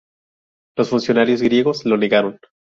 Los funcionarios griegos lo negaron.